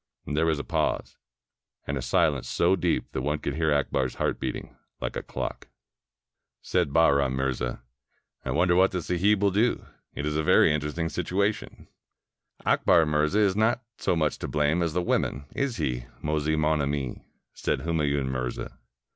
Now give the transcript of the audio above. There was a pause, and a silence so deep that one could hear Akbar's heart beating, like a clock. Said Bahram Mirza, '' I wonder what the sahib will do. It is a very interesting situation." '' Akbar Mirza is not so much to blame as the women — is he, mosie mon ami?" said Humayun Mirza.